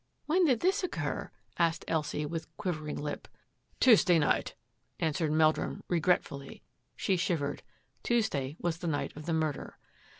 " When did this occur? " asked Elsie, with quivering lip. " Tuesday night," answered Meldrum regret fuUy. She shivered. Tuesday was the night of the murder.